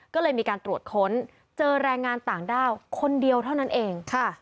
ก็เลยมีการตรวจค้นเจอแรงงานต่างด้าวคนเดียวเท่านั้นเอง